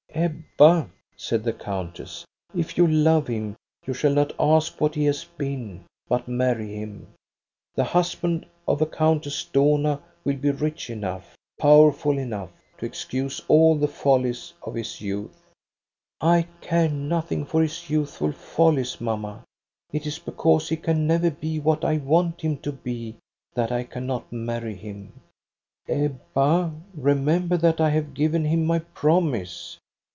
"' Ebba, ' said the countess, ' if you love him you shall not ask what he has been, but marry him. The husband of a Countess Dohna will be rich enough, 230 THE STORY OF GOSTA BE RUNG powerful enough, to excuse all the follies of his youth. '"' I care nothing for his youthful follies, mamma; it is because he can never be what I want him to be that I cannot marry him. '"' Ebba, remember that I have given him my promise